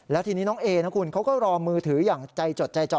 แล้วทีนี้น้องเอนะคุณเขาก็รอมือถืออย่างใจจดใจจ่อ